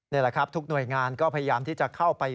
นี่แหละครับทุกหน่วยงานก็พยายามที่จะเข้าไป